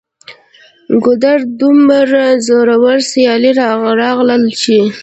ګودره! دومره زوروره سیلۍ راغلله چې